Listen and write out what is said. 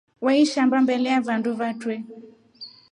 Waishamba mbele ya vandu vatrue.